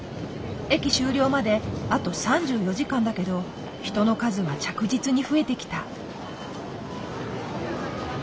駅終了まであと３４時間だけど人の数は着実に増えてきた。